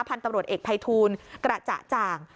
พันธุ์ตำรวจเอกภัยทูลกระจ่าง